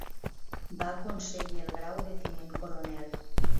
Va aconseguir el grau de Tinent Coronel.